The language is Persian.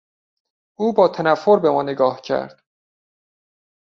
او با تنفر به ما نگاه کرد.